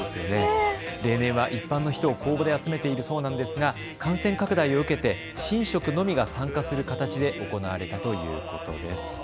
例年は一般の人を公募で集めているそうですが感染拡大を受けて神職のみが参加する形で行われたということです。